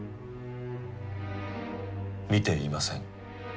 見ていません。